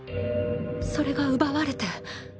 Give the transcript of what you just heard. それが奪われて。